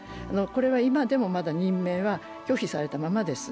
今でも、まだ任命は拒否されたままです。